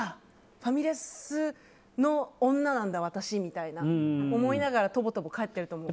ファミレスの女なんだ、私みたいなことを思いながらとぼとぼ帰っていると思う。